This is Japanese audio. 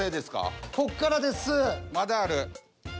まだある。